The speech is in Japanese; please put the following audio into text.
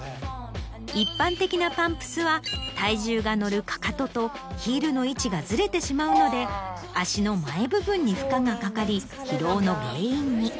一般的なパンプスは体重が乗るかかととヒールの位置がズレてしまうので足の前部分に負荷がかかり疲労の原因に。